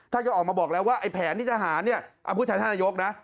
ท่านก็ออกมาบอกแล้วว่าไอ้แผนที่จะหารเนี่ยพูดแทนท่านนายกนะ